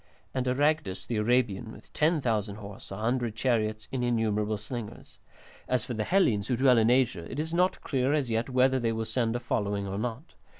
And Aragdus the Arabian with 10,000 horse, a hundred chariots, and innumerable slingers. As for the Hellenes who dwell in Asia, it is not clear as yet whether they will send a following or not.